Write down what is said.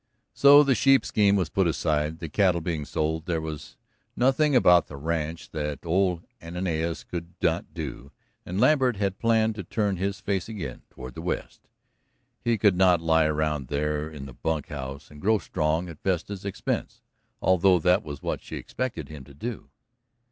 So the sheep scheme was put aside. The cattle being sold, there was nothing about the ranch that old Ananias could not do, and Lambert had planned to turn his face again toward the West. He could not lie around there in the bunkhouse and grow strong at Vesta's expense, although that was what she expected him to do.